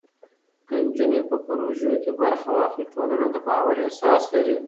که نجونې په پروژو کې برخه واخلي، ټولنه د باور احساس لري.